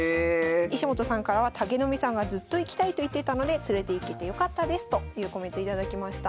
石本さんからは「武富さんがずっと行きたいと言ってたので連れていけてよかったです」というコメント頂きました。